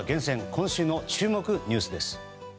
今週の注目ニュースです。